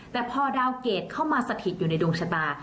แต่พอดาวเกรดเข้ามาสถิตอยู่ในดวงชะตา